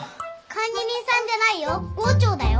管理人さんじゃないよ郷長だよ。